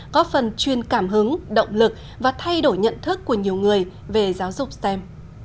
có phần chuyên cảm hứng động lực và thay đổi nhận thức của nhiều người về giáo dục stem